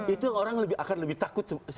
itu orang akan lebih takut